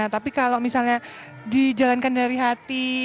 tapi kalau misalnya dijalankan dari hati